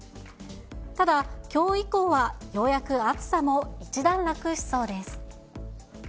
ただ、きょう以降は、ようやく暑さも一段落しそうです。